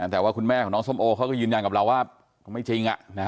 แต่ว่าคุณแม่ของน้องส้มโอเขาก็ยืนยันกับเราว่าไม่จริง